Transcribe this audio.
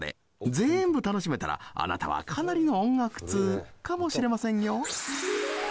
全部楽しめたらあなたはかなりの音楽通。かもしれませんよ。